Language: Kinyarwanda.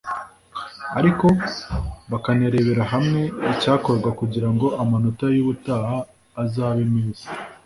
ariko bakanarebera hamwe icyakorwa kugira ngo amanota y’ubutaha azabe meza